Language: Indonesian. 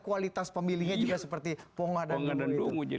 kualitas pemilihnya juga seperti pongah dan dumu